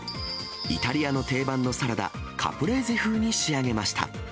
イタリアの定番のサラダ、カプレーゼ風に仕上げました。